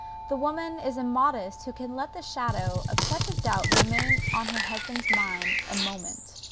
The woman is immodest who can let the shadow of such a doubt remain on her husband's mind a moment.